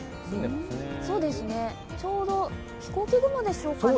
ちょうど飛行機雲でしょうかね